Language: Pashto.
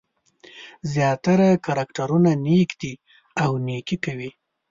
زیاتره کرکټرونه نېک دي او نېکي کوي.